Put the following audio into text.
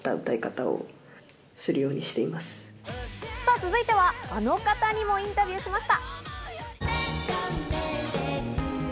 続いては、あの方にもインタビューしました。